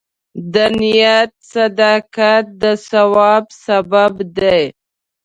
د نیت صداقت د ثواب سبب دی.